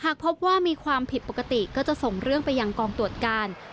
หากพบว่ามีความผิดปกติก็จะส่งเรื่องไปยังกองตรวจการ